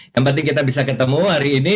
yang penting kita bisa ketemu hari ini